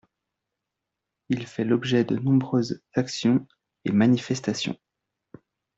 Il fait l'objet de nombreuses actions et manifestations.